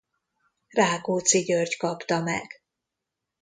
Rákóczi György kapta meg.